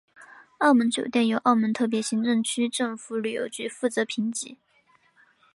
澳门酒店由澳门特别行政区政府旅游局负责评级。